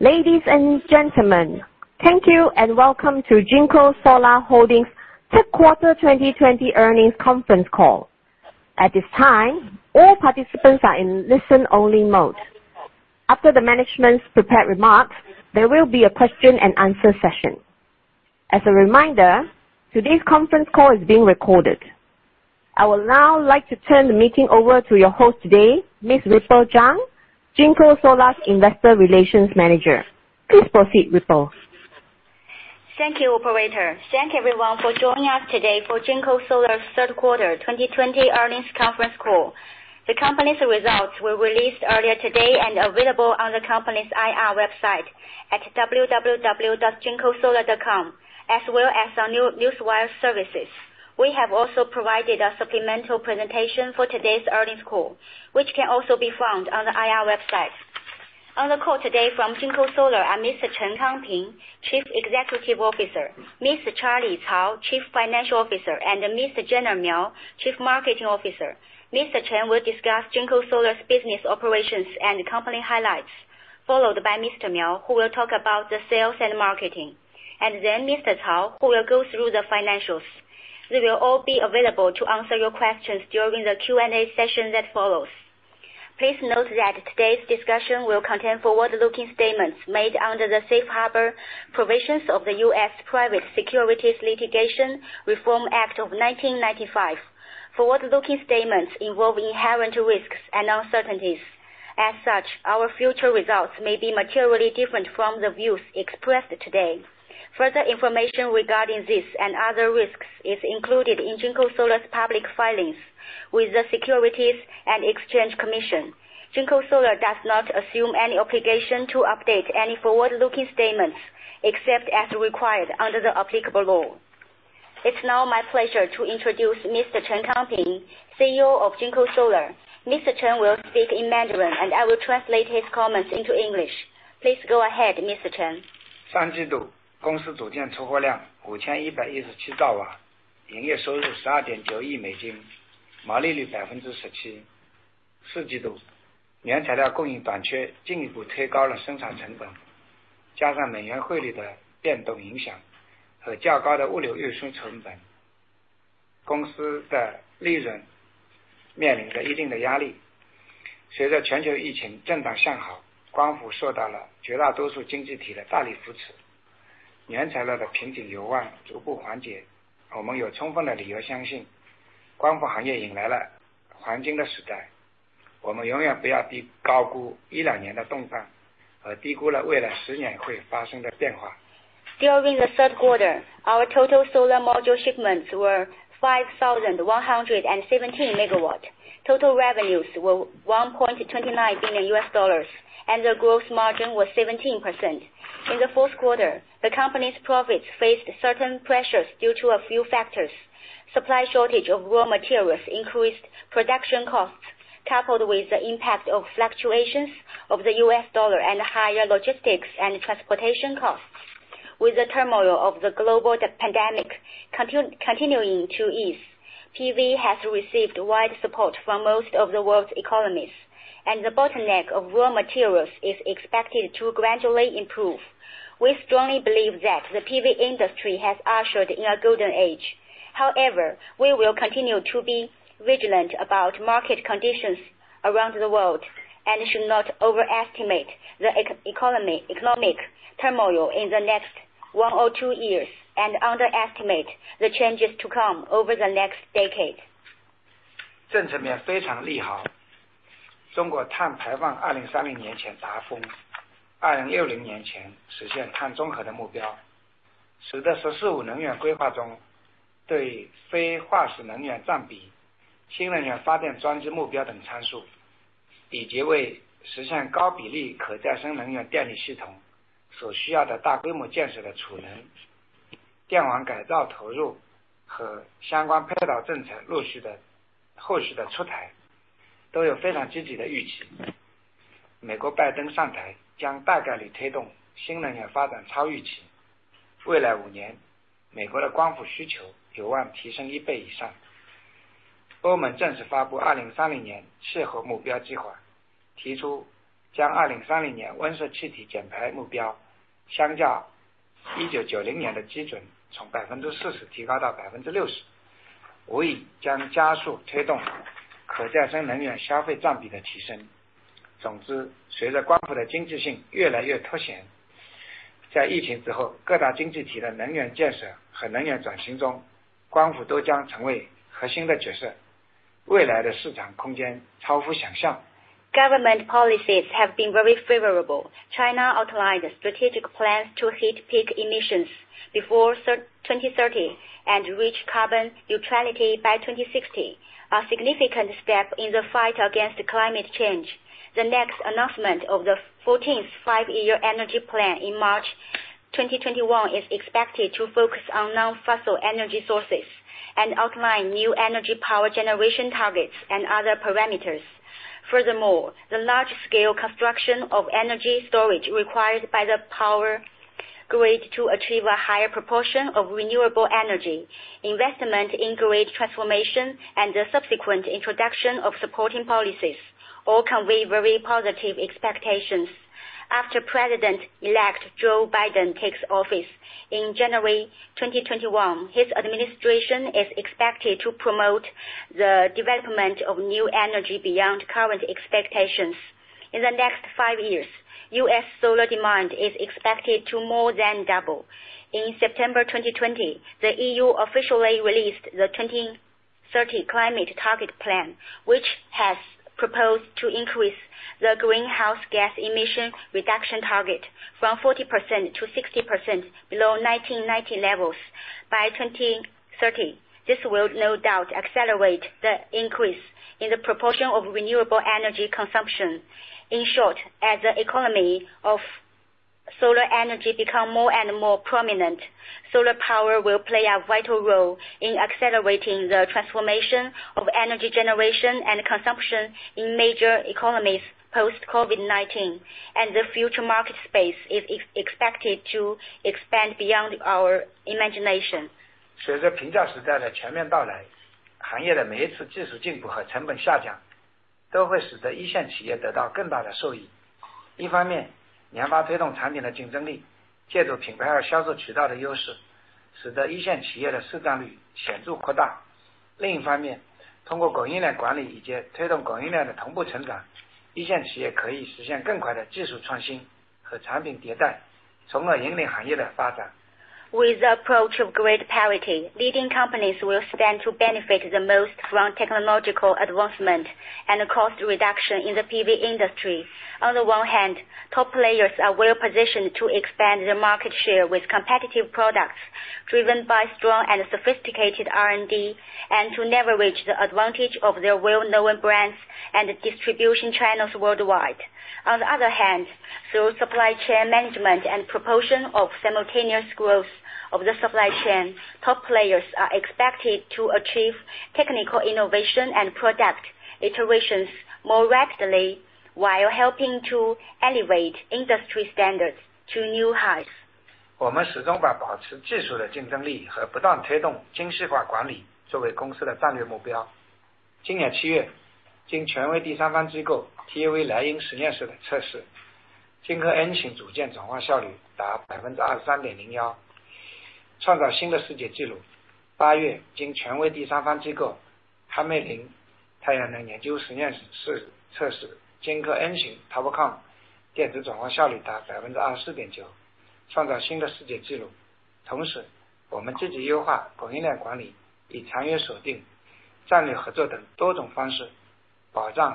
Ladies and gentlemen, thank you and Welcome to JinkoSolar Holdings' Q2 2020 earnings conference call. At this time, all participants are in listen-only mode. After the management's prepared remarks, there will be a question-and-answer session. As a reminder, today's conference call is being recorded. I would now like to turn the meeting over to your host today, Ms. Ripple Zhang, JinkoSolar's Investor Relations Manager. Please proceed, Ripple. Thank you, Operator. Thank everyone for joining us today for JinkoSolar's Q3 2020 earnings conference call. The company's results were released earlier today and available on the company's IR website at www.jinkosolar.com, as well as our newswire services. We have also provided a supplemental presentation for today's earnings call, which can also be found on the IR website. On the call today from JinkoSolar are Mr. Kangping Chen, Chief Executive Officer, Mr. Charlie Cao, Chief Financial Officer, and Mr. Gener Miao, Chief Marketing Officer. Mr. Chen will discuss JinkoSolar's business operations and company highlights, followed by Mr. Miao, who will talk about the sales and marketing, and then Mr. Cao, who will go through the financials. They will all be available to answer your questions during the Q&A session that follows. Please note that today's discussion will contain forward-looking statements made under the Safe Harbor Provisions of the U.S. Private Securities Litigation Reform Act of 1995. Forward-looking statements involve inherent risks and uncertainties. As such, our future results may be materially different from the views expressed today. Further information regarding this and other risks is included in JinkoSolar's public filings with the Securities and Exchange Commission. JinkoSolar does not assume any obligation to update any forward-looking statements except as required under the applicable law. It's now my pleasure to introduce Mr. Chen Kangping, CEO of JinkoSolar. Mr. Chen will speak in Mandarin, and I will translate his comments into English. Please go ahead, Mr. Chen. During the Q3, our total solar module shipments were 5,117 megawatts, total revenues were $1.29 billion, and the gross margin was 17%. In the fourth quarter, the company's profits faced certain pressures due to a few factors: supply shortage of raw materials increased production costs, coupled with the impact of fluctuations of the U.S. dollar and higher logistics and transportation costs. With the turmoil of the global pandemic continuing to ease, PV has received wide support from most of the world's economies, and the bottleneck of raw materials is expected to gradually improve. We strongly believe that the PV industry has ushered in a golden age. However, we will continue to be vigilant about market conditions around the world and should not overestimate the economic turmoil in the next one or two years and underestimate the changes to come over the next decade. Government policies have been very favorable. China outlined strategic plans to hit peak emissions before 2030 and reach carbon neutrality by 2060, a significant step in the fight against climate change. The next announcement of the 14th Five-Year Energy Plan in March 2021 is expected to focus on non-fossil energy sources and outline new energy power generation targets and other parameters. Furthermore, the large-scale construction of energy storage required by the power grid to achieve a higher proportion of renewable energy, investment in grid transformation, and the subsequent introduction of supporting policies all convey very positive expectations. After President-elect Joe Biden takes office in January 2021, his administration is expected to promote the development of new energy beyond current expectations. In the next five years, U.S. solar demand is expected to more than double. In September 2020, the EU officially released the 2030 Climate Target Plan, which has proposed to increase the greenhouse gas emission reduction target from 40% to 60% below 1990 levels. By 2030, this will no doubt accelerate the increase in the proportion of renewable energy consumption. In short, as the economy of solar energy becomes more and more prominent, solar power will play a vital role in accelerating the transformation of energy generation and consumption in major economies post-COVID-19, and the future market space is expected to expand beyond our imagination. With the approach of grid parity, leading companies will stand to benefit the most from technological advancement and cost reduction in the PV industry. On the one hand, top players are well-positioned to expand their market share with competitive products driven by strong and sophisticated R&D and to leverage the advantage of their well-known brands and distribution channels worldwide. On the other hand, through supply chain management and proportion of simultaneous growth of the supply chain, top players are expected to achieve technical innovation and product iterations more rapidly while helping to elevate industry standards to new heights. 我们始终把保持技术的竞争力和不断推动精细化管理作为公司的战略目标。今年7月，经权威第三方机构TÜV莱茵实验室的测试，金科恩型组件转化效率达23.01%，创造新的世界纪录。8月，经权威第三方机构哈梅林太阳能研究实验室测试，金科恩型TOPCON电子转化效率达24.9%，创造新的世界纪录。同时，我们积极优化供应链管理，以长远锁定战略合作等多种方式保障核心原材料和辅材的供应，针对可能出现供应短缺的环节，推动技术改造和材料替代，以缓解由于需求快速增长带来的供应链波动。The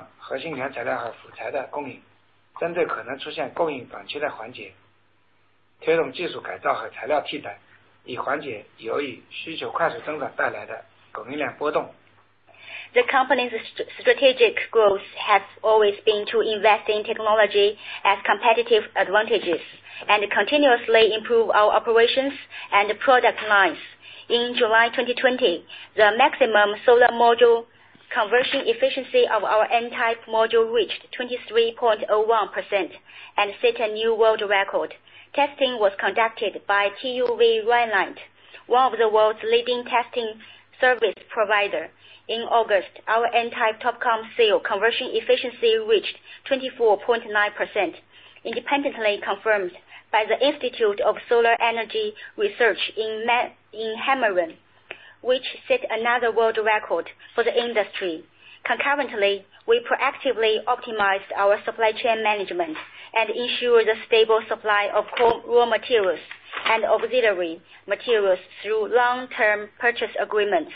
company's strategic growth has always been to invest in technology as competitive advantages and continuously improve our operations and product lines. In July 2020, the maximum solar module conversion efficiency of our N-type module reached 23.01% and set a new world record. Testing was conducted by TÜV Rheinland, one of the world's leading testing service providers. In August, our N-type TOPCon cell conversion efficiency reached 24.9%, independently confirmed by the Institute for Solar Energy Research in Hamelin, which set another world record for the industry. Concurrently, we proactively optimized our supply chain management and ensured a stable supply of raw materials and auxiliary materials through long-term purchase agreements,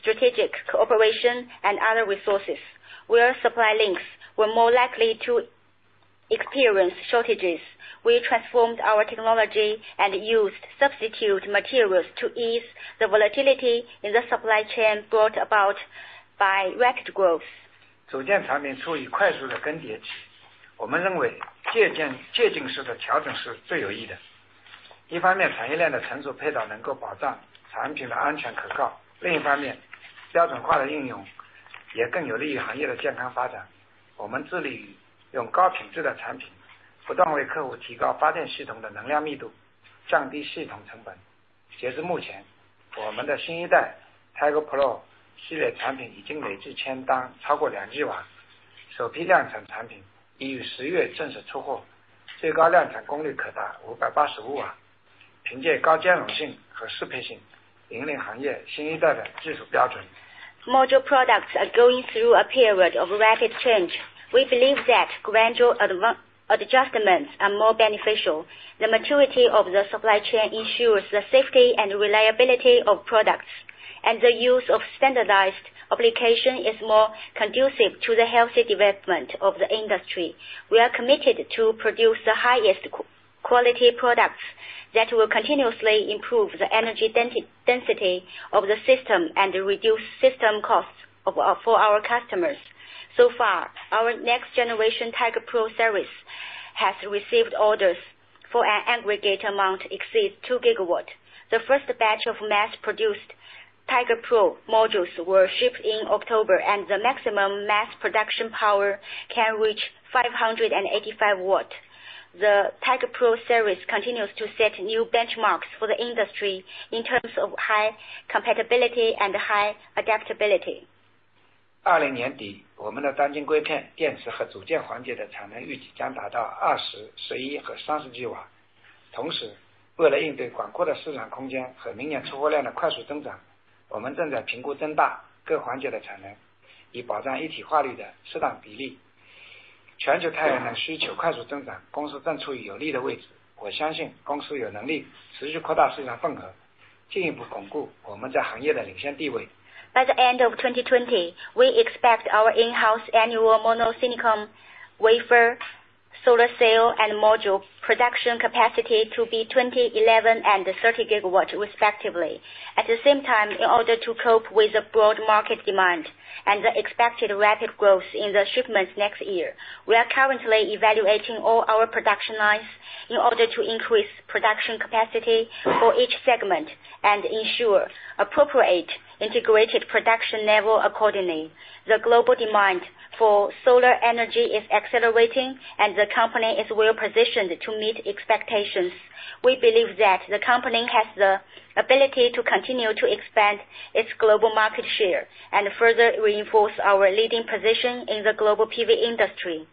strategic cooperation, and other resources. Where supply links were more likely to experience shortages, we transformed our technology and used substitute materials to ease the volatility in the supply chain brought about by rapid growth. 组件产品处于快速的更迭期，我们认为借镜式的调整是最有益的。一方面，产业链的成熟配套能够保障产品的安全可靠；另一方面，标准化的应用也更有利于行业的健康发展。我们致力于用高品质的产品，不断为客户提高发电系统的能量密度，降低系统成本。截至目前，我们的新一代Tiger Pro系列产品已经累计签单超过2G瓦，首批量产产品已于10月正式出货，最高量产功率可达585瓦，凭借高兼容性和适配性，引领行业新一代的技术标准。Module products are going through a period of rapid change. We believe that gradual adjustments are more beneficial. The maturity of the supply chain ensures the safety and reliability of products, and the use of standardized application is more conducive to the healthy development of the industry. We are committed to produce the highest quality products that will continuously improve the energy density of the system and reduce system costs for our customers. So far, our next generation Tiger Pro series has received orders for an aggregate amount exceeding 2 GW. The first batch of mass-produced Tiger Pro modules will ship in October, and the maximum mass production power can reach 585 watts. The Tiger Pro series continues to set new benchmarks for the industry in terms of high compatibility and high adaptability. By the end of 2020, we expect our in-house annual mono-silicon wafer solar cell and module production capacity to be 20, 11 and 30 GW, respectively. At the same time, in order to cope with the broad market demand and the expected rapid growth in the shipments next year, we are currently evaluating all our production lines in order to increase production capacity for each segment and ensure appropriate integrated production level accordingly. The global demand for solar energy is accelerating, and the company is well-positioned to meet expectations. We believe that the company has the ability to continue to expand its global market share and further reinforce our leading position in the global PV industry.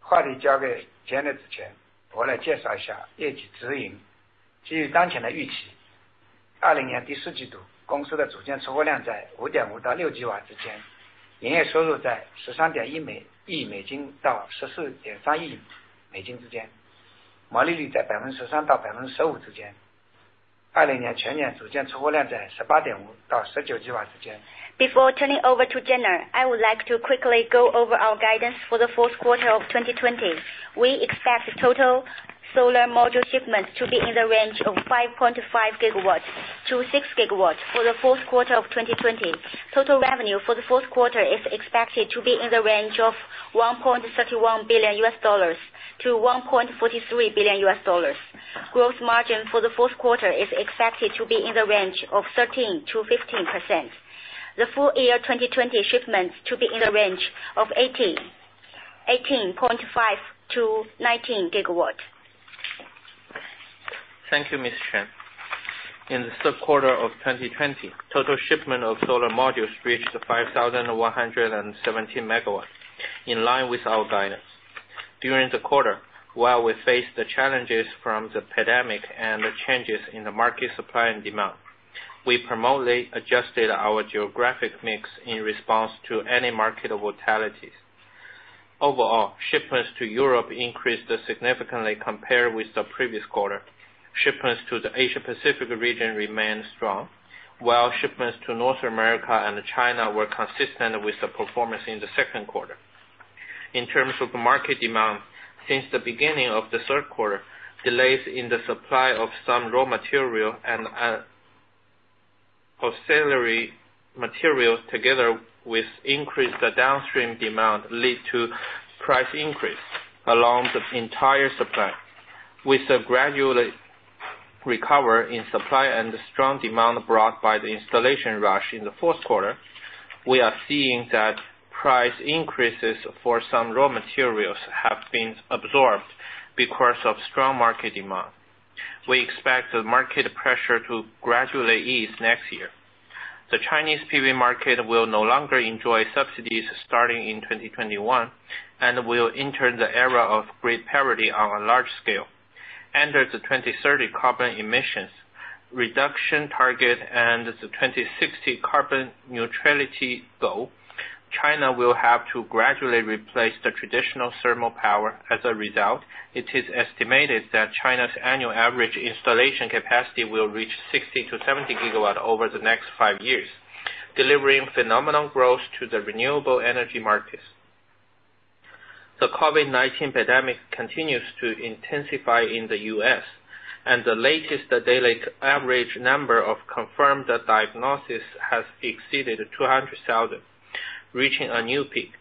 话题交给Gener之前，我来介绍一下业绩指引。基于当前的预期，20年第四季度公司的组件出货量在5.5到6G瓦之间，营业收入在13.1亿美金到14.3亿美金之间，毛利率在13%到15%之间，20年全年组件出货量在18.5到19G瓦之间。Before turning over to Gener, I would like to quickly go over our guidance for the fourth quarter of 2020. We expect total solar module shipments to be in the range of 5.5-6 GW for the fourth quarter of 2020. Total revenue for the fourth quarter is expected to be in the range of $1.31 billion-$1.43 billion. Gross margin for the fourth quarter is expected to be in the range of 13%-15%. The full year 2020 shipments to be in the range of 18.5-19 GW. Thank you, Mr. Chen. In the third quarter of 2020, total shipment of solar modules reached 5,117 megawatts, in line with our guidance. During the quarter, while we faced the challenges from the pandemic and the changes in the market supply and demand, we promptly adjusted our geographic mix in response to any market volatilities. Overall, shipments to Europe increased significantly compared with the previous quarter. Shipments to the Asia-Pacific region remained strong, while shipments to North America and China were consistent with the performance in the second quarter. In terms of market demand, since the beginning of the third quarter, delays in the supply of some raw material and auxiliary materials together with increased downstream demand led to price increase along the entire supply. With the gradual recovery in supply and the strong demand brought by the installation rush in the fourth quarter, we are seeing that price increases for some raw materials have been absorbed because of strong market demand. We expect the market pressure to gradually ease next year. The Chinese PV market will no longer enjoy subsidies starting in 2021 and will enter the era of grid parity on a large scale. Under the 2030 carbon emissions reduction target and the 2060 carbon neutrality goal, China will have to gradually replace the traditional thermal power. As a result, it is estimated that China's annual average installation capacity will reach 60-70 GW over the next five years, delivering phenomenal growth to the renewable energy markets. The COVID-19 pandemic continues to intensify in the U.S., and the latest daily average number of confirmed diagnoses has exceeded 200,000, reaching a new peak.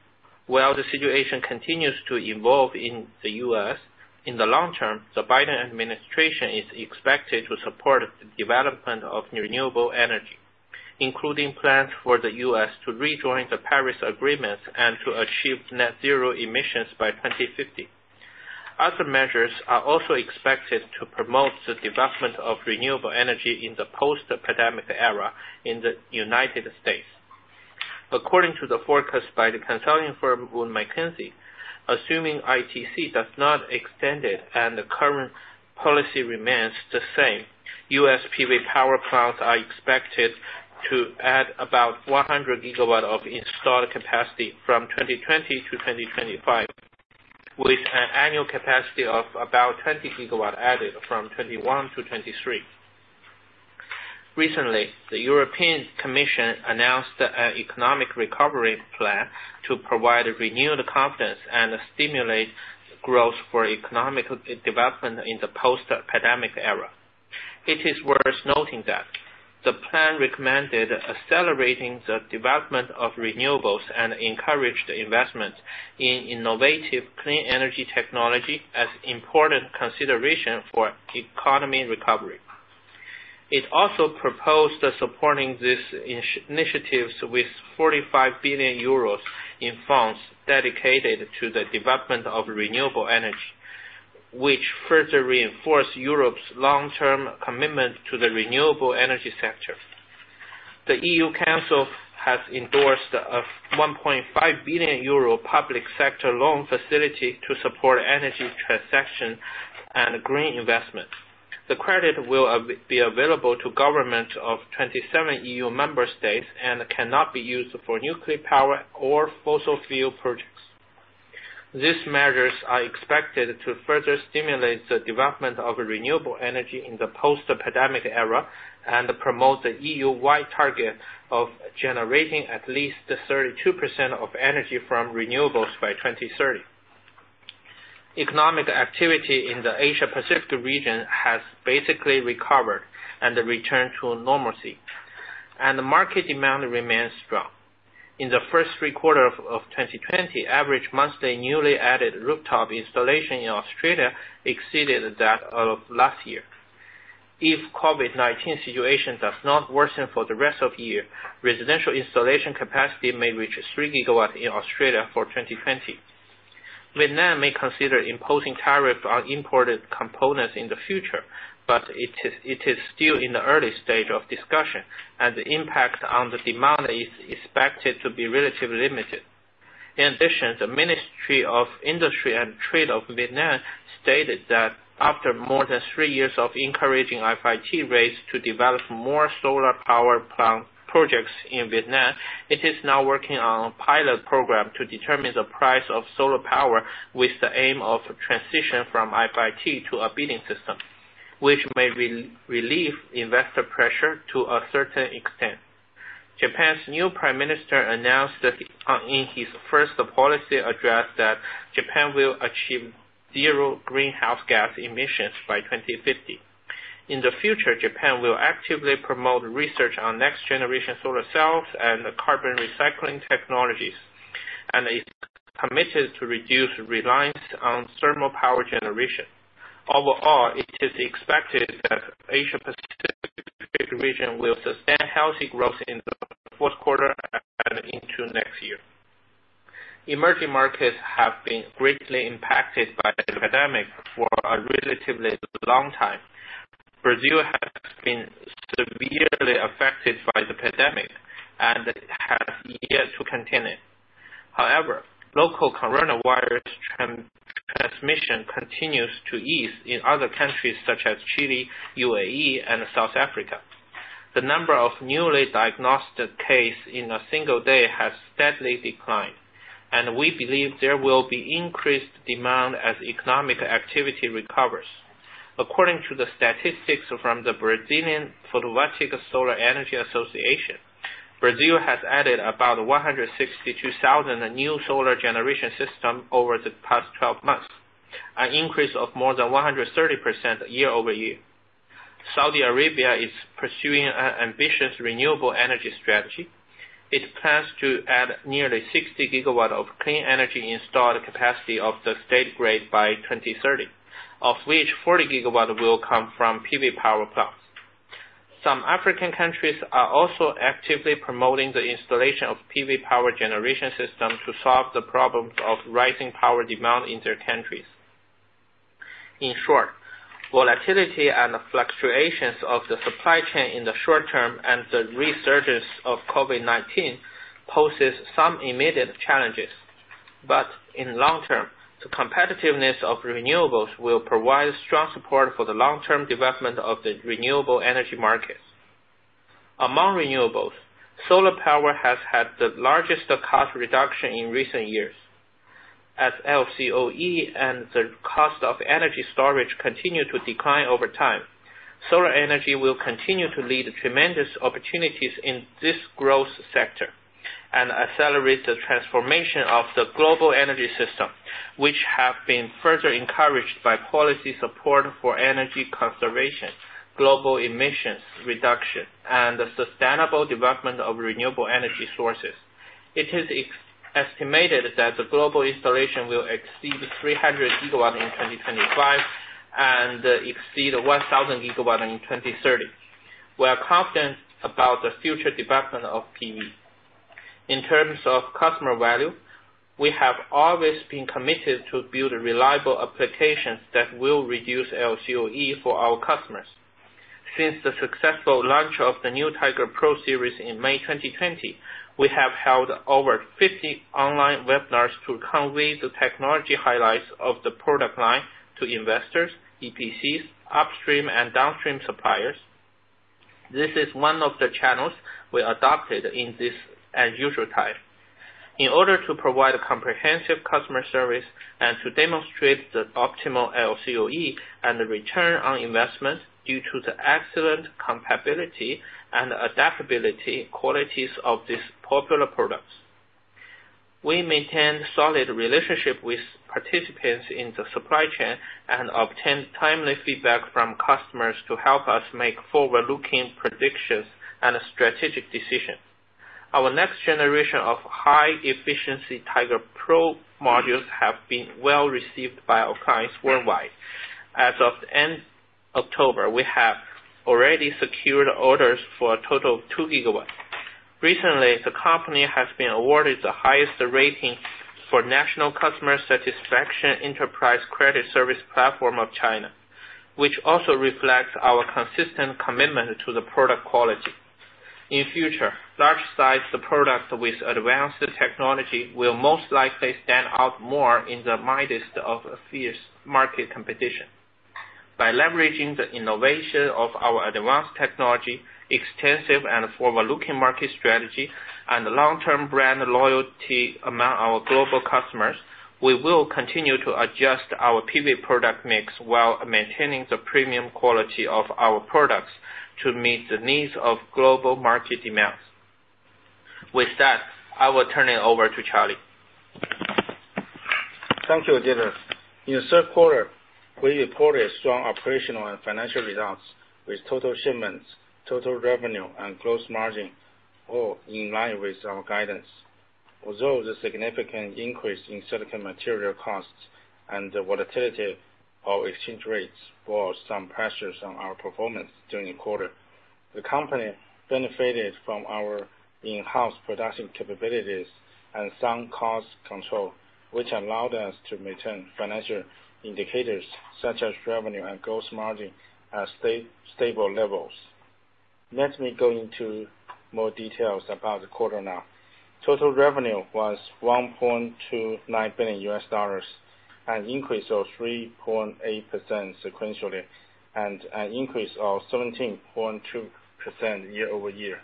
While the situation continues to evolve in the U.S., in the long term, the Biden administration is expected to support the development of renewable energy, including plans for the U.S. to rejoin the Paris Agreement and to achieve net zero emissions by 2050. Other measures are also expected to promote the development of renewable energy in the post-pandemic era in the United States. According to the forecast by the consulting firm Wood Mackenzie, assuming ITC does not extend it and the current policy remains the same, U.S. PV power plants are expected to add about 100 GW of installed capacity from 2020 to 2025, with an annual capacity of about 20 GW added from 2021 to 2023. Recently, the European Commission announced an economic recovery plan to provide renewed confidence and stimulate growth for economic development in the post-pandemic era. It is worth noting that the plan recommended accelerating the development of renewables and encouraged investment in innovative clean energy technology as an important consideration for economic recovery. It also proposed supporting these initiatives with 45 billion euros in funds dedicated to the development of renewable energy, which further reinforced Europe's long-term commitment to the renewable energy sector. The EU Council has endorsed a 1.5 billion euro public sector loan facility to support energy transactions and green investment. The credit will be available to governments of 27 EU member states and cannot be used for nuclear power or fossil fuel projects. These measures are expected to further stimulate the development of renewable energy in the post-pandemic era and promote the EU-wide target of generating at least 32% of energy from renewables by 2030. Economic activity in the Asia-Pacific region has basically recovered and returned to normalcy, and market demand remains strong. In the first three quarters of 2020, average monthly newly added rooftop installation in Australia exceeded that of last year. If the COVID-19 situation does not worsen for the rest of the year, residential installation capacity may reach 3 GW in Australia for 2020. Vietnam may consider imposing tariffs on imported components in the future, but it is still in the early stage of discussion, and the impact on the demand is expected to be relatively limited. In addition, the Ministry of Industry and Trade of Vietnam stated that after more than three years of encouraging FIT rates to develop more solar power projects in Vietnam, it is now working on a pilot program to determine the price of solar power with the aim of transition from FIT to a bidding system, which may relieve investor pressure to a certain extent. Japan's new Prime Minister announced in his first policy address that Japan will achieve zero greenhouse gas emissions by 2050. In the future, Japan will actively promote research on next-generation solar cells and carbon recycling technologies, and is committed to reduce reliance on thermal power generation. Overall, it is expected that the Asia-Pacific region will sustain healthy growth in the fourth quarter and into next year. Emerging markets have been greatly impacted by the pandemic for a relatively long time. Brazil has been severely affected by the pandemic and has yet to contain it. However, local coronavirus transmission continues to ease in other countries such as Chile, UAE, and South Africa. The number of newly diagnosed cases in a single day has steadily declined, and we believe there will be increased demand as economic activity recovers. According to the statistics from the Brazilian Photovoltaic Solar Energy Association, Brazil has added about 162,000 new solar generation systems over the past 12 months, an increase of more than 130% year over year. Saudi Arabia is pursuing an ambitious renewable energy strategy. It plans to add nearly 60 GW of clean energy installed capacity of the state grid by 2030, of which 40 GW will come from PV power plants. Some African countries are also actively promoting the installation of PV power generation systems to solve the problems of rising power demand in their countries. In short, volatility and fluctuations of the supply chain in the short term and the resurgence of COVID-19 pose some immediate challenges, but in the long term, the competitiveness of renewables will provide strong support for the long-term development of the renewable energy market. Among renewables, solar power has had the largest cost reduction in recent years. As LCOE and the cost of energy storage continue to decline over time, solar energy will continue to lead to tremendous opportunities in this growth sector and accelerate the transformation of the global energy system, which has been further encouraged by policy support for energy conservation, global emissions reduction, and the sustainable development of renewable energy sources. It is estimated that the global installation will exceed 300 GW in 2025 and exceed 1,000 GW in 2030. We are confident about the future development of PV. In terms of customer value, we have always been committed to build reliable applications that will reduce LCOE for our customers. Since the successful launch of the new Tiger Pro series in May 2020, we have held over 50 online webinars to convey the technology highlights of the product line to investors, EPCs, upstream and downstream suppliers. This is one of the channels we adopted in this unusual time. In order to provide comprehensive customer service and to demonstrate the optimal LCOE and return on investment due to the excellent compatibility and adaptability qualities of these popular products, we maintained solid relationships with participants in the supply chain and obtained timely feedback from customers to help us make forward-looking predictions and strategic decisions. Our next generation of high-efficiency Tiger Pro modules has been well received by our clients worldwide. As of the end of October, we have already secured orders for a total of 2 GW. Recently, the company has been awarded the highest rating for National Customer Satisfaction Enterprise Credit Service Platform of China, which also reflects our consistent commitment to the product quality. In future, large-sized products with advanced technology will most likely stand out more in the midst of fierce market competition. By leveraging the innovation of our advanced technology, extensive and forward-looking market strategy, and long-term brand loyalty among our global customers, we will continue to adjust our PV product mix while maintaining the premium quality of our products to meet the needs of global market demands. With that, I will turn it over to Charlie. Thank you, JinkoSolar. In the third quarter, we reported strong operational and financial results, with total shipments, total revenue, and gross margin all in line with our guidance. Although the significant increase in silicon material costs and the volatility of exchange rates brought some pressures on our performance during the quarter, the company benefited from our in-house production capabilities and some cost control, which allowed us to maintain financial indicators such as revenue and gross margin at stable levels. Let me go into more details about the quarter now. Total revenue was $1.29 billion, an increase of 3.8% sequentially, and an increase of 17.2% year over year.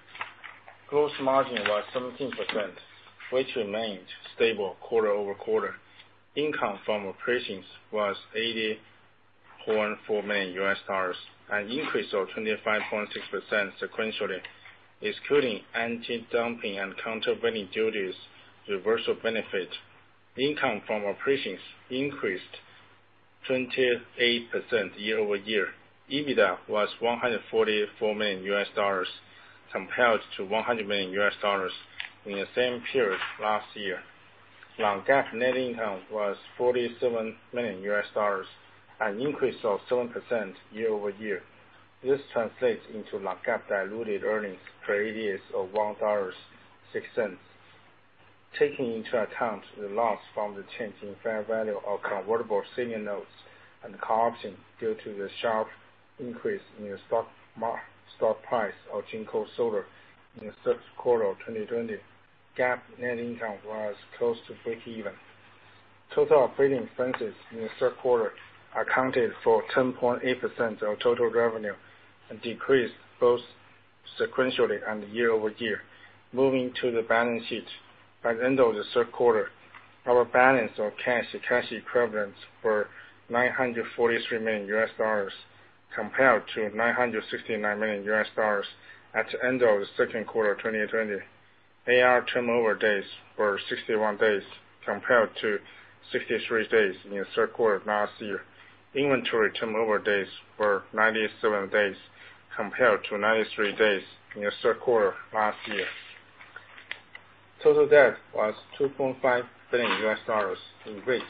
Gross margin was 17%, which remained stable quarter over quarter. Income from operations was $80.4 million, an increase of 25.6% sequentially, excluding anti-dumping and countervailing duties reversal benefit. Income from operations increased 28% year over year. EBITDA was $144 million, compared to $100 million in the same period last year. Non-GAAP net income was $47 million, an increase of 7% year over year. This translates into non-GAAP diluted earnings per ADS of $1.06. Taking into account the loss from the change in fair value of convertible senior notes and call options due to the sharp increase in the stock price of JinkoSolar in the third quarter of 2020, GAAP net income was close to breakeven. Total operating expenses in the third quarter accounted for 10.8% of total revenue and decreased both sequentially and year over year. Moving to the balance sheet, by the end of the third quarter, our balance of cash and cash equivalents were $943 million, compared to $969 million at the end of the second quarter of 2020. AR turnover days were 61 days, compared to 63 days in the third quarter last year. Inventory turnover days were 97 days, compared to 93 days in the third quarter last year. Total debt was $2.5 billion, of which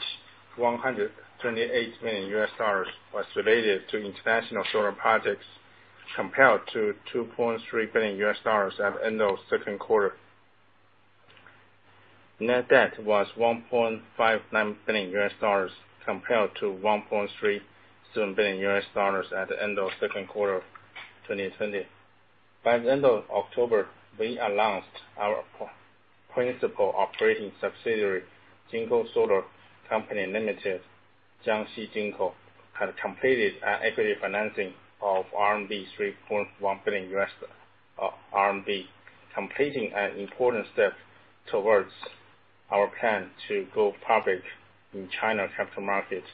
$128 million was related to international solar projects, compared to $2.3 billion at the end of the second quarter. Net debt was $1.59 billion, compared to $1.37 billion at the end of the second quarter of 2020. By the end of October, we announced our principal operating subsidiary, JinkoSolar Company Limited, Jiangxi Jinko, had completed equity financing of 3.1 billion RMB, completing an important step towards our plan to go public in China capital markets.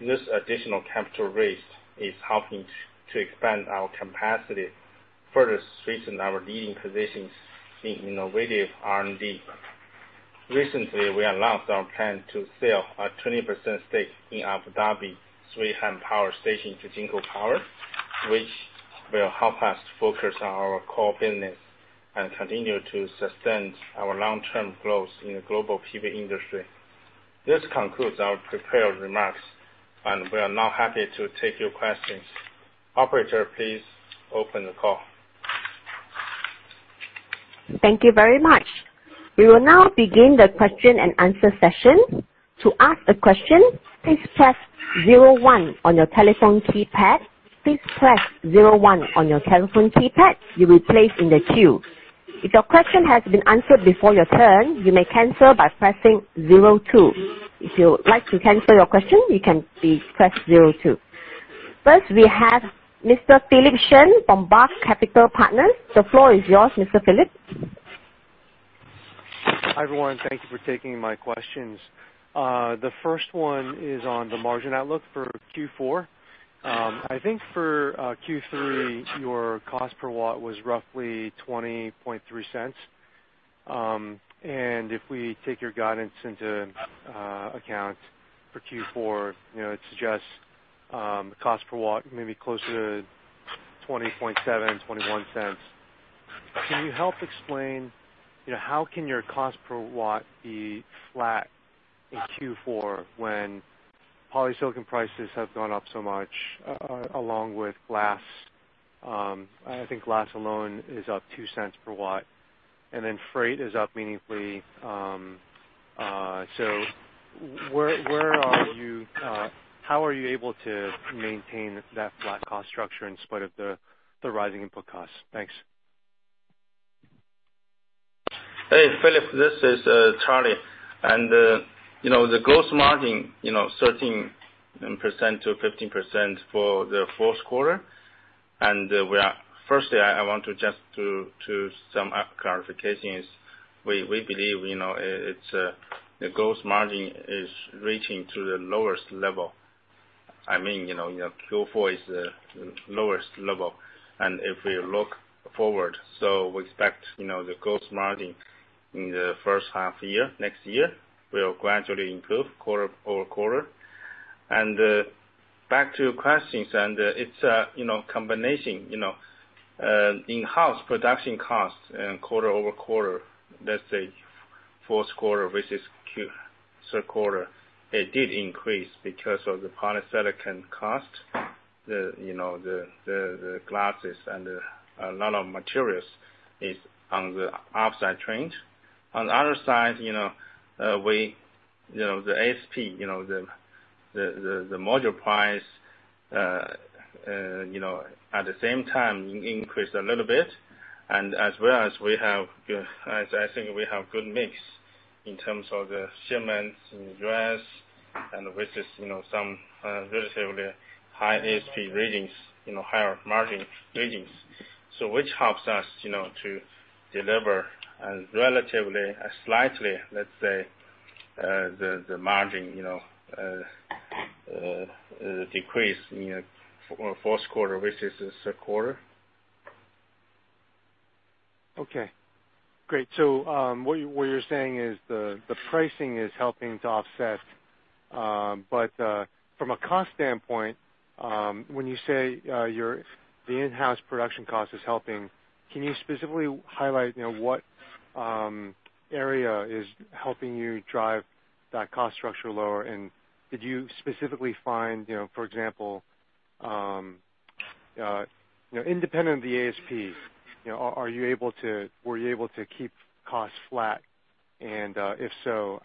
This additional capital raised is helping to expand our capacity, further strengthen our leading positions in innovative R&D. Recently, we announced our plan to sell a 20% stake in Abu Dhabi's Sweihan Power Station to JinkoPower, which will help us focus on our core business and continue to sustain our long-term growth in the global PV industry. This concludes our prepared remarks, and we are now happy to take your questions. Operator, please open the call. Thank you very much. We will now begin the question and answer session. To ask a question, please press zero one on your telephone keypad. Please press zero one on your telephone keypad. You will be placed in the queue. If your question has been answered before your turn, you may cancel by pressing zero two. If you would like to cancel your question, you can press zero two. First, we have Mr. Philip Shen from Roth Capital Partners. The floor is yours, Mr. Philip. Hi, everyone. Thank you for taking my questions. The first one is on the margin outlook for Q4. I think for Q3, your cost per watt was roughly $0.203. And if we take your guidance into account for Q4, it suggests cost per watt may be closer to $0.207, $0.21. Can you help explain how can your cost per watt be flat in Q4 when polysilicon prices have gone up so much, along with glass? I think glass alone is up $0.02 per watt. And then freight is up meaningfully. So where are you? How are you able to maintain that flat cost structure in spite of the rising input costs? Thanks. Hey, Philip, this is Charlie. And the gross margin, 13%-15% for the fourth quarter. And first, I want to just do some clarifications. We believe the gross margin is reaching to the lowest level. I mean, Q4 is the lowest level. And if we look forward, so we expect the gross margin in the first half year, next year, will gradually improve quarter over quarter. And back to your questions, and it's a combination. In-house production costs quarter over quarter, let's say fourth quarter, which is Q3, it did increase because of the polysilicon cost, the glasses, and a lot of materials is on the upside trend. On the other side, the ASP, the module price, at the same time, increased a little bit. And as well as we have, I think we have good mix in terms of the shipments in U.S., and which is some relatively high ASP readings, higher margin readings, which helps us to deliver relatively slightly, let's say, the margin decrease in the fourth quarter, which is the third quarter. Okay. Great. So what you're saying is the pricing is helping to offset. But from a cost standpoint, when you say the in-house production cost is helping, can you specifically highlight what area is helping you drive that cost structure lower? And did you specifically find, for example, independent of the ASP, were you able to keep costs flat? And if so,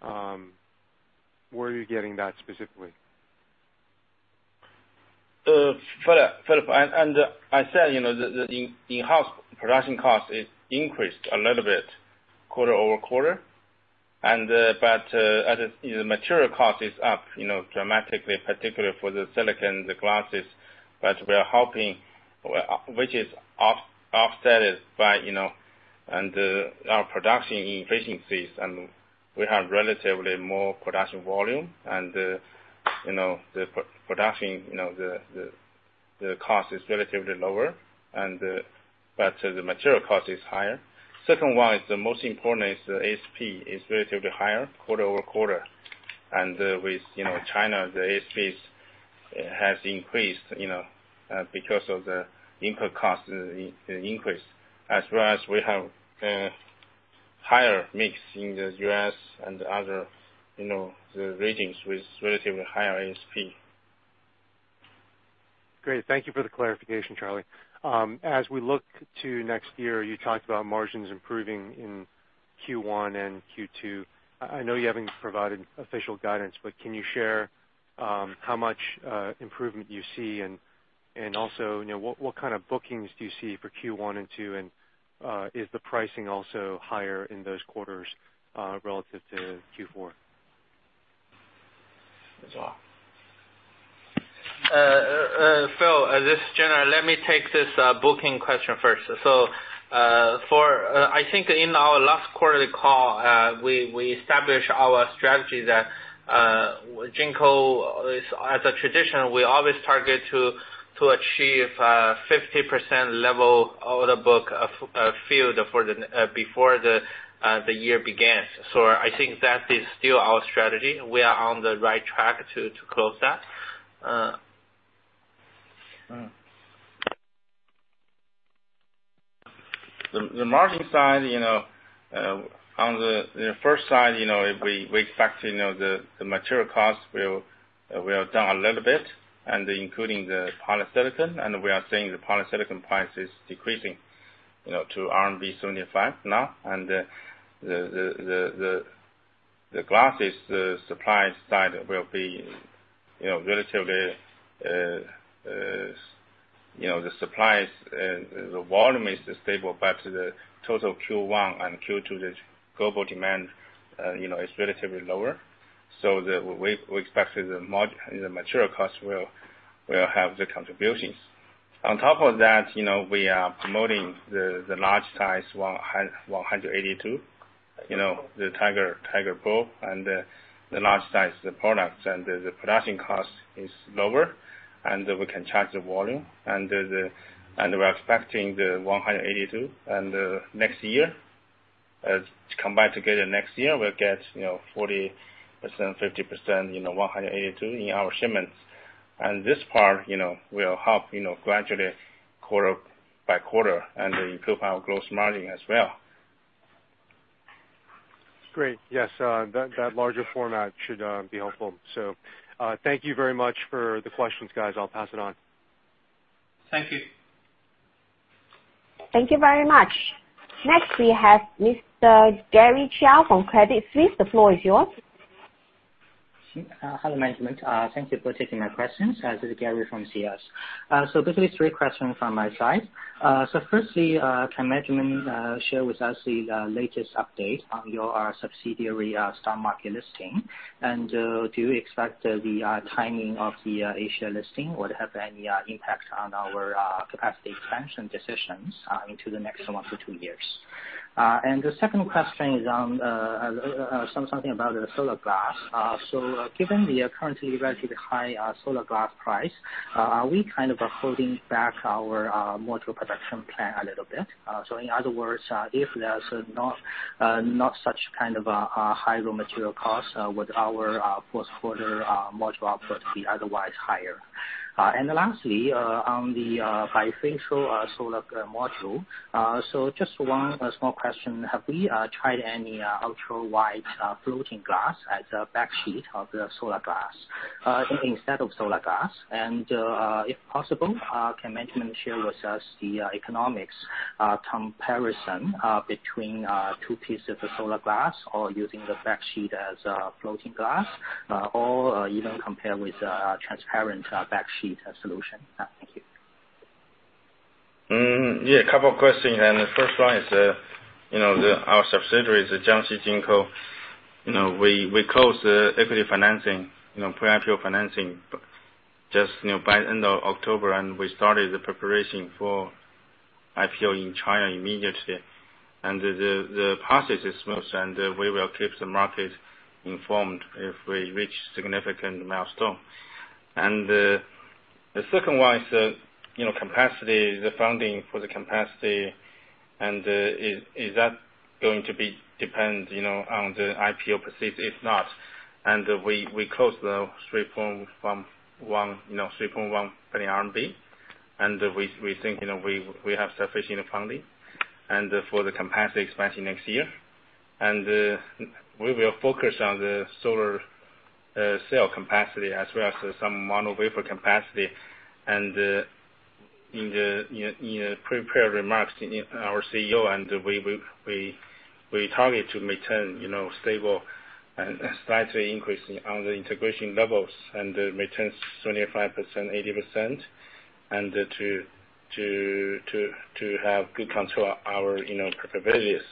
where are you getting that specifically? Philip, and I said the in-house production costs increased a little bit quarter over quarter. But the material cost is up dramatically, particularly for the silicon, the glasses. But we are helping, which is offset by our production increasing phase. And we have relatively more production volume. And the production, the cost is relatively lower. But the material cost is higher. Second one is the most important is the ASP is relatively higher quarter over quarter. And with China, the ASP has increased because of the input cost increase. As well as we have higher mix in the U.S. and other regions, which is relatively higher ASP. Great. Thank you for the clarification, Charlie. As we look to next year, you talked about margins improving in Q1 and Q2. I know you haven't provided official guidance, but can you share how much improvement you see? And also, what kind of bookings do you see for Q1 and Q2? And is the pricing also higher in those quarters relative to Q4? That's all. Phil, let me take this booking question first. So I think in our last quarterly call, we established our strategy that JinkoSolar, as a tradition, we always target to achieve 50% level of the book-to-bill before the year begins. So I think that is still our strategy. We are on the right track to close that. The margin side, on the first side, we expect the material costs will have done a little bit, including the polysilicon. And we are seeing the polysilicon prices decreasing to RMB 75 now. And the glasses supply side will be relatively the supplies, the volume is stable. But the total Q1 and Q2, the global demand is relatively lower. So we expect the material costs will have the contributions. On top of that, we are promoting the large size 182, the Tiger Pro. And the large size products and the production cost is lower. And we can charge the volume. And we're expecting the 182. And next year, combined together, next year, we'll get 40%-50% 182 in our shipments. And this part will help gradually quarter by quarter and improve our gross margin as well. Great. Yes, that larger format should be helpful. So thank you very much for the questions, guys. I'll pass it on. Thank you. Thank you very much. Next, we have Mr. Gary Zhou from Credit Suisse. The floor is yours. Hello, management. Thank you for taking my questions. This is Gary from CS. So basically, three questions from my side. So firstly, can management share with us the latest update on your subsidiary stock market listing? And do you expect the timing of the Asia listing would have any impact on our capacity expansion decisions into the next one to two years? And the second question is something about the solar glass. So given the currently relatively high solar glass price, are we kind of holding back our module production plan a little bit? So in other words, if there's not such kind of a high raw material cost, would our fourth quarter module output be otherwise higher? And lastly, on the bifacial solar module, so just one small question. Have we tried any ultra-wide floating glass as a back sheet of the solar glass instead of solar glass? And if possible, can management share with us the economics comparison between two pieces of the solar glass or using the back sheet as a floating glass, or even compare with a transparent back sheet solution? Thank you. Yeah, a couple of questions. And the first one is our subsidiary is Jiangxi Jinko. We closed the equity financing, pre-IPO financing just by the end of October. And we started the preparation for IPO in China immediately. And the process is smooth. And we will keep the market informed if we reach significant milestones. And the second one is capacity, the funding for the capacity. And is that going to depend on the IPO proceeds? If not, and we closed the 3.1 billion RMB. We think we have sufficient funding for the capacity expansion next year. We will focus on the solar cell capacity as well as some mono wafer capacity. In the prepared remarks to our CEO, we target to maintain stable and slightly increasing on the integration levels and maintain 75%-80%, and to have good control of our capabilities.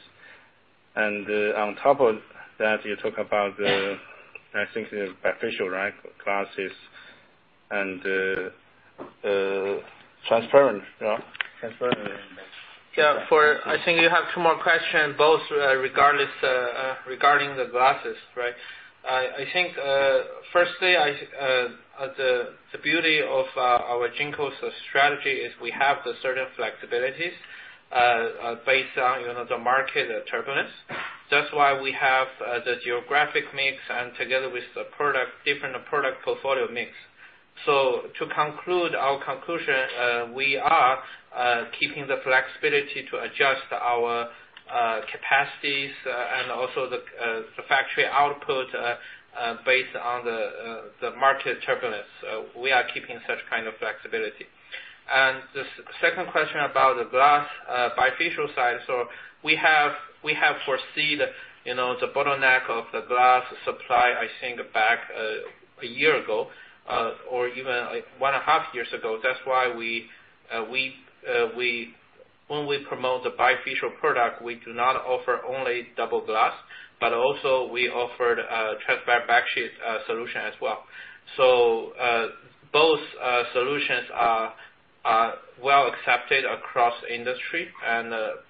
On top of that, you talk about the, I think, the bifacial glass and transparent. Yeah, I think you have two more questions, both regarding the glass, right? I think, firstly, the beauty of our JinkoSolar strategy is we have the certain flexibilities based on the market turbulence. That's why we have the geographic mix and together with the different product portfolio mix. To conclude our conclusion, we are keeping the flexibility to adjust our capacities and also the factory output based on the market turbulence. We are keeping such kind of flexibility. The second question about the glass bifacial side. We have foreseen the bottleneck of the glass supply, I think, back a year ago or even one and a half years ago. That's why when we promote the bifacial product, we do not offer only double glass, but also we offered a transparent back sheet solution as well. Both solutions are well accepted across industry. From our customer,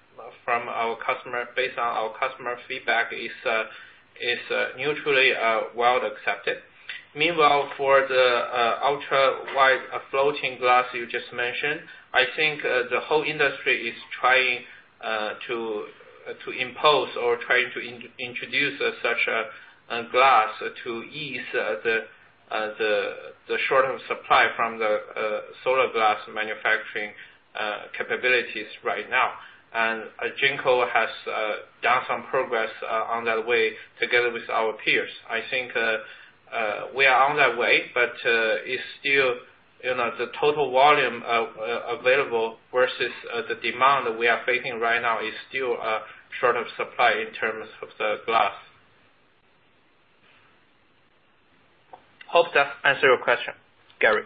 based on our customer feedback, it's mutually well accepted. Meanwhile, for the ultra-wide floating glass you just mentioned, I think the whole industry is trying to impose or trying to introduce such a glass to ease the short of supply from the solar glass manufacturing capabilities right now. And Jinko has done some progress on that way together with our peers. I think we are on that way, but it's still the total volume available versus the demand that we are facing right now is still short of supply in terms of the glass. Hope that answered your question, Gary.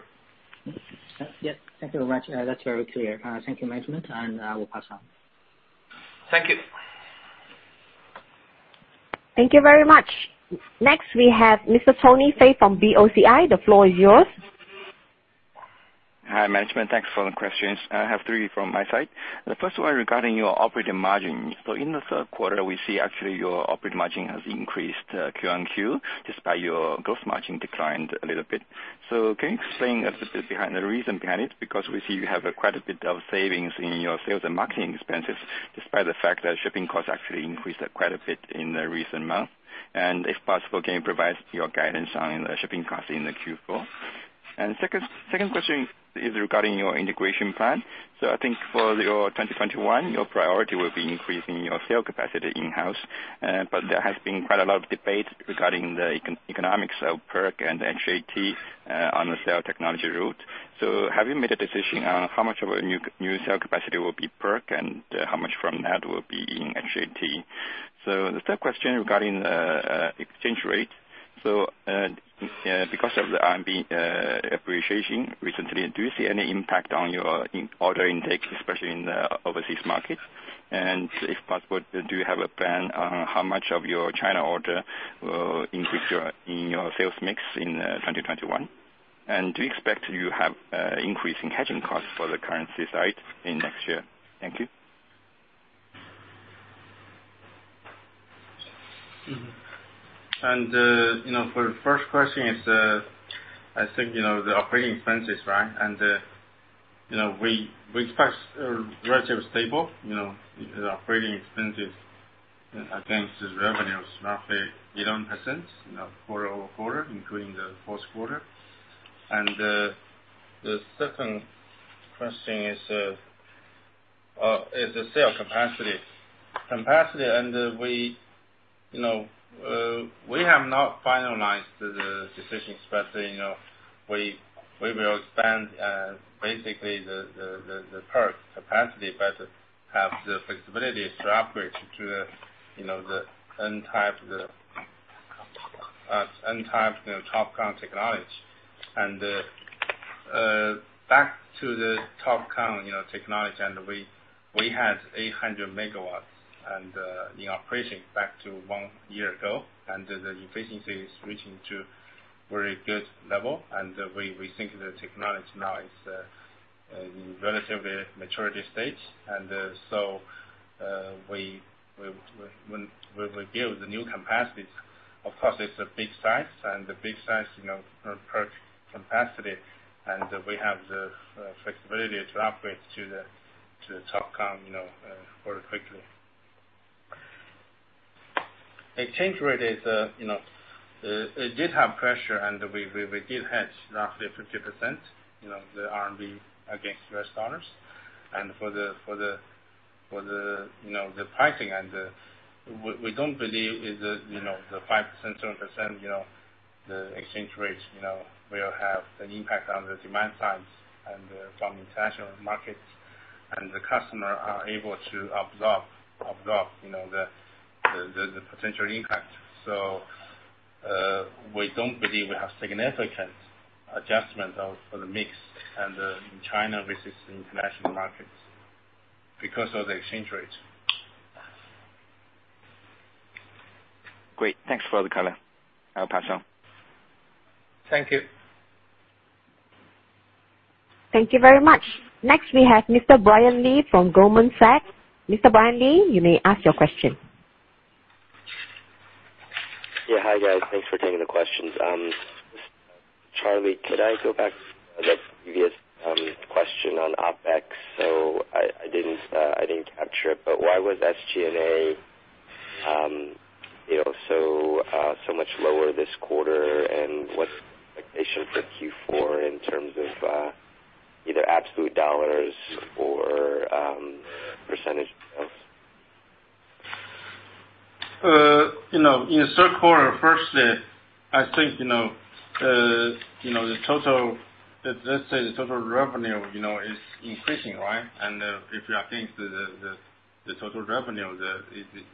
Yep. Thank you very much. That's very clear. Thank you, management. And we'll pass on. Thank you. Thank you very much. Next, we have Mr. Tony Fei from BOCI. The floor is yours. Hi, management. Thanks for the questions. I have three from my side. The first one regarding your operating margin. So in the third quarter, we see actually your operating margin has increased Q1, Q2, despite your gross margin declined a little bit. So can you explain a little bit behind the reason behind it? Because we see you have quite a bit of savings in your sales and marketing expenses, despite the fact that shipping costs actually increased quite a bit in the recent months. And if possible, can you provide your guidance on the shipping costs in the Q4? And second question is regarding your integration plan. So I think for your 2021, your priority will be increasing your solar capacity in-house. But there has been quite a lot of debate regarding the economics of PERC and HJT on the solar technology route. So have you made a decision on how much of a new solar capacity will be PERC and how much from that will be in HJT? So the third question regarding the exchange rate. So because of the RMB appreciation recently, do you see any impact on your order intake, especially in the overseas market? And if possible, do you have a plan on how much of your China order will increase in your sales mix in 2021? And do you expect you have increasing hedging costs for the currency side in next year? Thank you. And for the first question, I think the operating expenses, right? And we expect relatively stable operating expenses against revenue of roughly 11% quarter over quarter, including the fourth quarter. And the second question is the sale capacity. Capacity, and we have not finalized the decisions, but we will expand basically the PERC capacity but have the flexibility to upgrade to the N-type TOPCon technology. And back to the TOPCon technology, and we had 800 megawatts in operation back to one year ago. And the efficiency is reaching to a very good level. And we think the technology now is in relatively maturity stage. We will build the new capacities. Of course, it's a big size. And the big size PERC capacity, and we have the flexibility to upgrade to the TOPCon very quickly. Exchange rate has had pressure, and we did hedge roughly 50% of the RMB against US dollars. And for the pricing, and we don't believe the 5%-7% exchange rate will have an impact on the demand side from international markets. And the customers are able to absorb the potential impact. So we don't believe we have significant adjustment for the mix in China versus international markets because of the exchange rate. Great. Thanks for the color. I'll pass on. Thank you. Thank you very much. Next, we have Mr. Brian Lee from Goldman Sachs. Mr. Brian Lee, you may ask your question. Yeah, hi, guys. Thanks for taking the questions. Charlie, could I go back to the previous question on OpEx? So I didn't capture it, but why was SG&A so much lower this quarter? And what's the expectation for Q4 in terms of either absolute dollars or percentage sales? In the third quarter, firstly, I think the total, let's say the total revenue is increasing, right? And if you think the total revenue,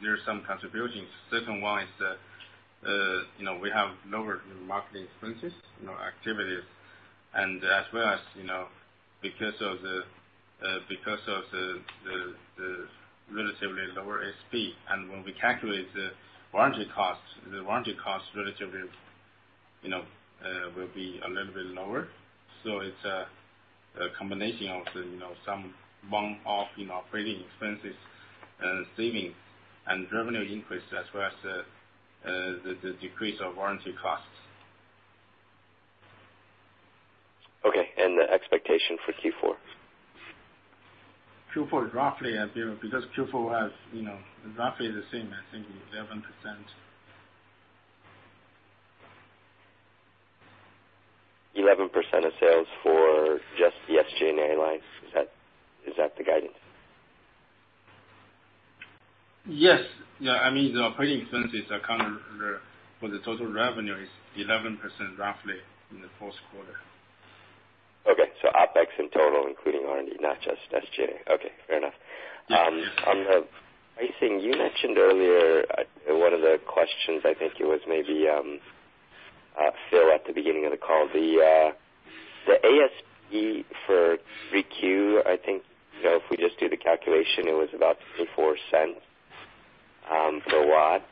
there's some contributions. Second one is we have lower marketing expenses activities. And as well as because of the relatively lower SP. And when we calculate the warranty cost, the warranty cost relatively will be a little bit lower. So it's a combination of some one-off operating expenses and savings and revenue increase as well as the decrease of warranty costs. Okay. And the expectation for Q4? Q4 is roughly because Q4 has roughly the same, I think, 11%. 11% of sales for just the SG&A line. Is that the guidance? Yes. Yeah. I mean, the operating expenses account for the total revenue is 11% roughly in the fourth quarter. Okay. So OPEX in total, including R&D, not just SG&A. Okay. Fair enough. On the pricing, you mentioned earlier one of the questions, I think it was maybe Phil at the beginning of the call. The ASP for 3Q, I think if we just do the calculation, it was about $0.24 per watt.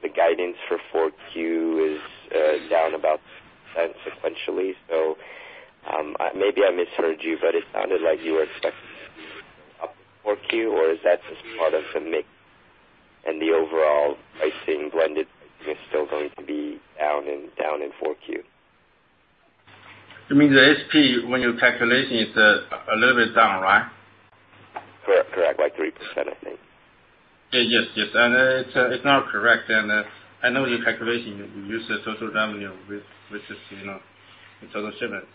The guidance for 4Q is down about $0.10 sequentially. So maybe I misheard you, but it sounded like you were expecting to be up to 4Q, or is that just part of the mix? And the overall pricing blended is still going to be down in 4Q. You mean the SP, when you're calculating, it's a little bit down, right? Correct. Like 3%, I think. Yes, yes. And it's not correct. And I know your calculation, you use the total revenue versus the total shipments.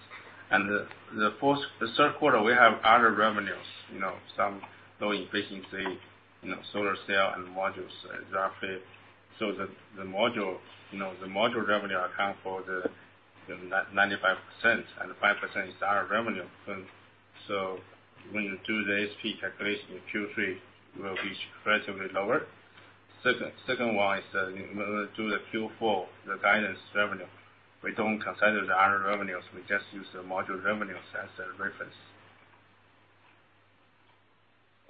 And the third quarter, we have other revenues, some low efficiency solar cell and modules roughly. So the module revenue account for the 95%, and 5% is our revenue. So when you do the SP calculation in Q3, it will be relatively lower. Second one is do the Q4, the guidance revenue. We don't consider the other revenues. We just use the module revenues as a reference.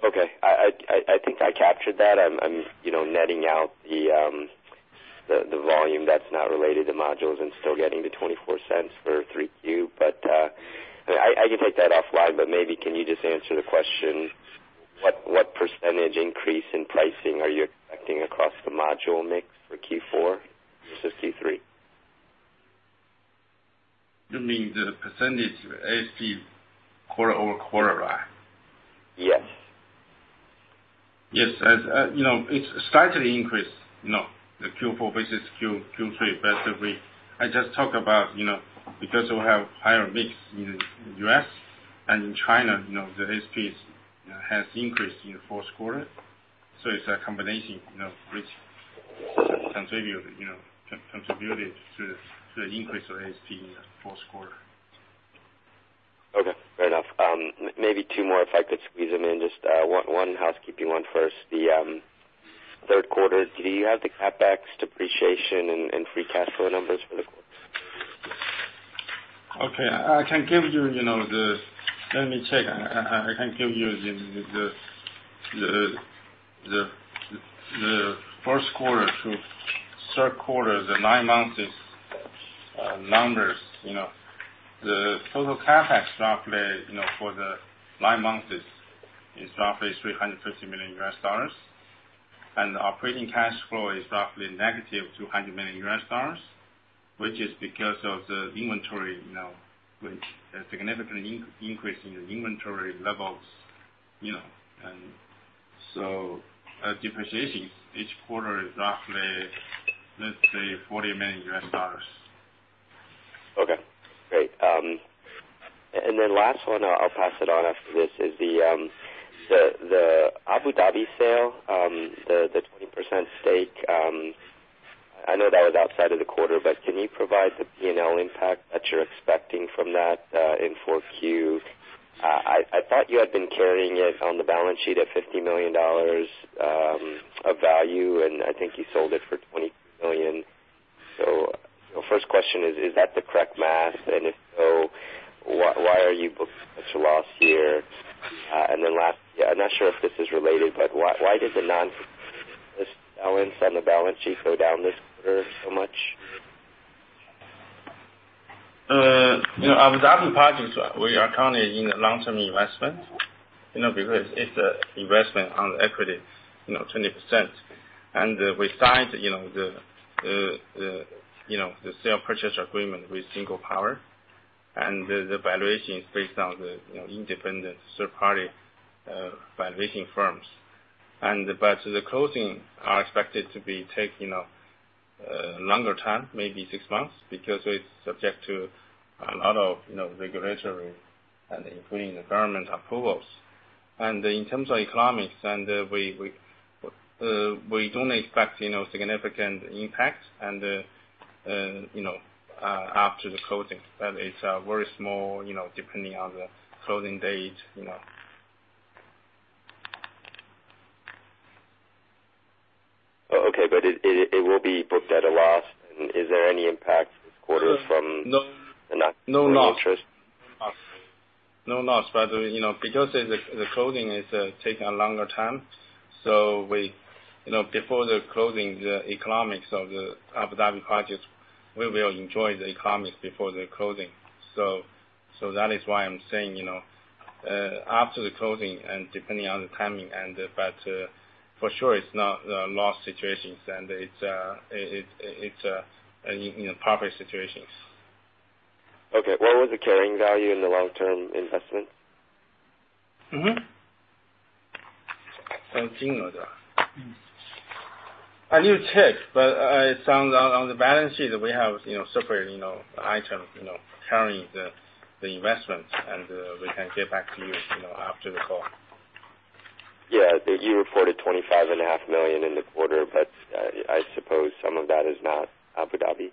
Okay. I think I captured that. I'm netting out the volume that's not related to modules and still getting the $0.24 for 3Q. But I can take that offline. But maybe can you just answer the question? What percentage increase in pricing are you expecting across the module mix for Q4 versus Q3? You mean the percentage ASP quarter over quarter, right? Yes. Yes. It's slightly increased, the Q4 versus Q3. But I just talked about because we have higher mix in the U.S. and in China, the ASP has increased in the fourth quarter. So it's a combination which contributed to the increase of ASP in the fourth quarter. Okay. Fair enough. Maybe two more if I could squeeze them in. Just one housekeeping one first. The third quarter, do you have the CapEx depreciation and free cash flow numbers for the quarter? Okay. I can give you the, let me check. I can give you the first quarter through third quarter, the nine months' numbers. The total CapEx roughly for the nine months is roughly $350 million. And the operating cash flow is roughly negative $200 million, which is because of the significant increase in the inventory levels. So depreciation each quarter is roughly, let's say, $40 million. Okay. Great. And then last one, I'll pass it on after this, is the Abu Dhabi sale, the 20% stake. I know that was outside of the quarter, but can you provide the P&L impact that you're expecting from that in 4Q? I thought you had been carrying it on the balance sheet at $50 million of value, and I think you sold it for $23 million. So first question is, is that the correct math? And if so, why are you booking such a loss here? And then last, I'm not sure if this is related, but why did the non-balance on the balance sheet go down this quarter so much? Abu Dhabi projects, we are counting in the long-term investment because it's an investment on equity, 20%. We signed the sale purchase agreement with JinkoPower. The valuation is based on the independent third-party valuation firms. The closing is expected to be taking longer time, maybe six months, because it's subject to a lot of regulatory, including the government approvals. In terms of economics, we don't expect significant impact after the closing. It's very small, depending on the closing date. Oh, okay. It will be booked at a loss. Is there any impact this quarter from the non-interest? No loss. No loss. Because the closing is taking a longer time, before the closing, the economics of the Abu Dhabi projects, we will enjoy the economics before the closing. That is why I'm saying after the closing and depending on the timing. But for sure, it's not a loss situation. And it's in a perfect situation. Okay. What was the carrying value in the long-term investment? I need to check, but it sounds on the balance sheet, we have separate items carrying the investment. And we can get back to you after the call. Yeah. You reported $25.5 million in the quarter, but I suppose some of that is not Abu Dhabi.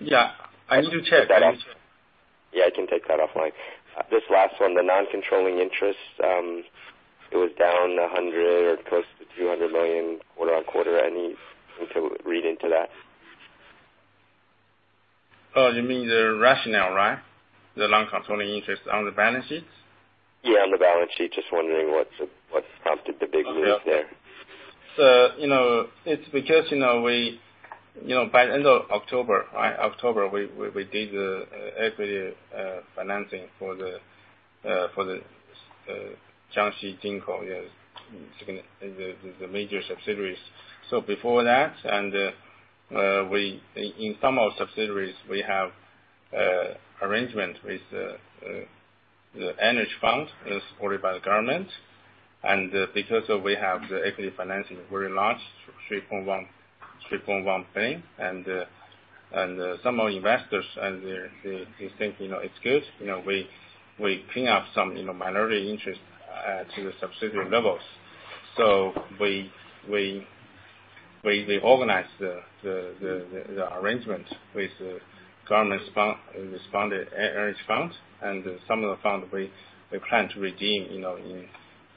Yeah. I need to check. Yeah. I can take that offline. This last one, the non-controlling interest, it was down $100 million or close to $200 million quarter on quarter. I need to read into that. Oh, you mean the rationale, right? The non-controlling interest on the balance sheet? Yeah. On the balance sheet. Just wondering what prompted the big move there. So it's because by the end of October, right, October, we did the equity financing for the Jiangxi Jinko, our major subsidiary. So before that, and in some of the subsidiaries, we have arrangement with the energy fund supported by the government. And because we have the equity financing very large, 3.1 billion. And some of the investors, they think it's good. We clean up some minority interest to the subsidiary levels. So we organized the arrangement with the government-sponsored energy fund. And some of the fund, we plan to redeem in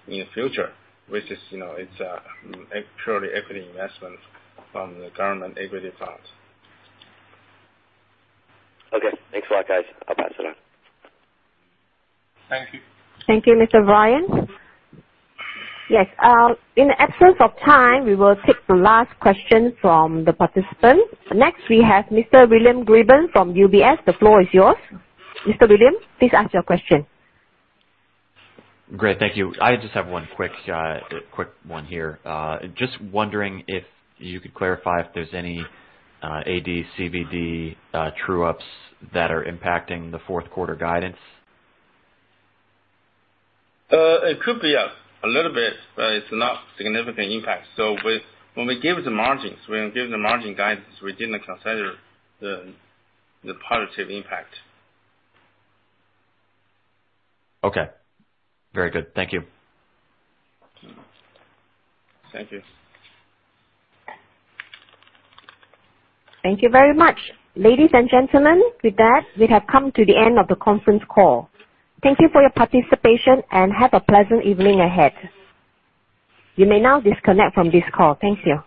the future, which is purely equity investment from the government equity fund. Okay. Thanks a lot, guys. I'll pass it on. Thank you. Thank you, Mr. Brian. Yes. In the absence of time, we will take the last question from the participants. Next, we have Mr. William Grippin from UBS. The floor is yours. Mr. William, please ask your question. Great. Thank you. I just have one quick one here. Just wondering if you could clarify if there's any AD/CVD true-ups that are impacting the fourth quarter guidance. It could be a little bit, but it's not significant impact. So when we give the margins, when we give the margin guidance, we didn't consider the positive impact. Okay. Very good. Thank you. Thank you. Thank you very much. Ladies and gentlemen, with that, we have come to the end of the conference call. Thank you for your participation and have a pleasant evening ahead. You may now disconnect from this call. Thank you.